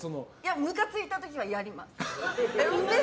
むかついた時はやります。